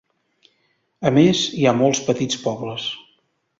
A més, hi ha molts petits pobles.